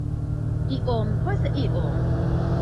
iom post iom